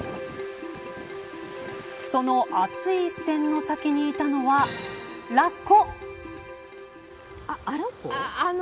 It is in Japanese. その熱い視線の先にいたのはラッコ。